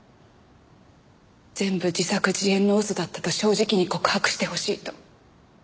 全部自作自演の嘘だったと正直に告白してほしいと。